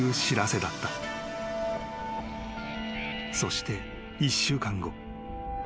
［そして一週間後］